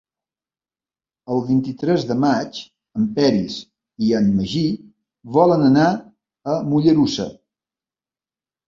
El vint-i-tres de maig en Peris i en Magí volen anar a Mollerussa.